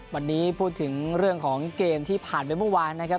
วันนี้พูดถึงเรื่องของเกมที่ผ่านไปเมื่อวานนะครับ